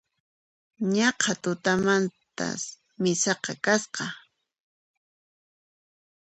Naqha tutamanta misaqa kasqas